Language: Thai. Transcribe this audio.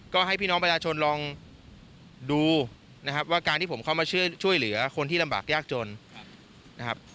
ก็ให้พี่น้องประชาชนลองดูนะครับว่าการที่ผมเข้ามาช่วยเหลือคนที่ลำบากยากจนนะครับ